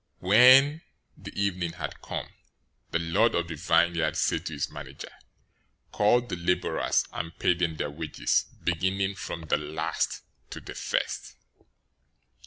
020:008 When evening had come, the lord of the vineyard said to his manager, 'Call the laborers and pay them their wages, beginning from the last to the first.'